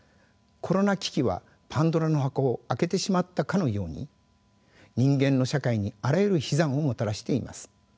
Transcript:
コロナ危機はパンドラの箱を開けてしまったかのように人間の社会にあらゆる悲惨をもたらしています。